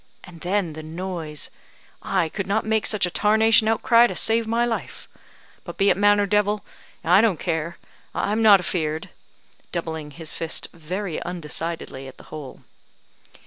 And then the noise I could not make such a tarnation outcry to save my life. But be it man or devil, I don't care, I'm not afear'd," doubling his fist very undecidedly at the hole.